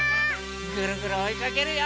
ぐるぐるおいかけるよ！